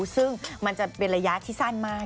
ซึ่งมันจะเป็นระยะที่สั้นมาก